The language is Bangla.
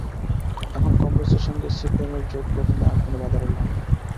এখন কংগ্রেসের সঙ্গে সিপিএমের জোট গঠনে আর কোনো বাধা রইল না।